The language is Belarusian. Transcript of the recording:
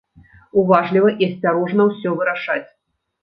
Уважліва і асцярожна ўсё вырашаць.